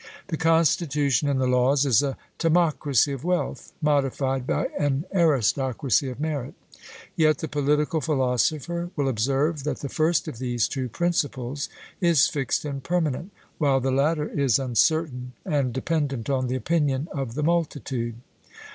The constitution in the Laws is a timocracy of wealth, modified by an aristocracy of merit. Yet the political philosopher will observe that the first of these two principles is fixed and permanent, while the latter is uncertain and dependent on the opinion of the multitude.